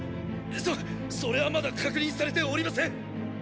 そそれはまだ確認されておりません！